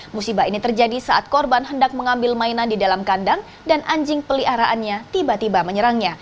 musibah ini terjadi saat korban hendak mengambil mainan di dalam kandang dan anjing peliharaannya tiba tiba menyerangnya